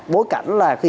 bối cảnh là khi